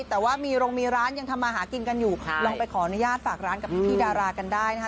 แต่ว่ามีโรงมีร้านยังทำมาหากินกันอยู่ลองไปขออนุญาตฝากร้านกับพี่ดารากันได้นะคะ